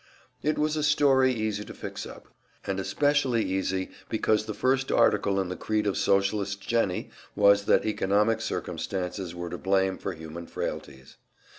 It was a story easy to fix up, and especially easy because the first article in the creed of Socialist Jennie was that economic circumstances were to blame for human frailties.